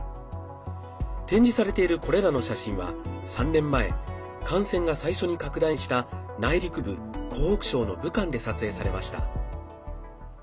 展示されているこれらの写真は３年前感染が最初に拡大した内陸部、湖北省の武漢で撮影されました。